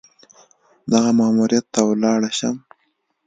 دغه ماموریت ته ولاړه شم.